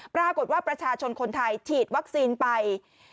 ปรากฏว่าประชาชนคนไทยฉีดวัคซีนไป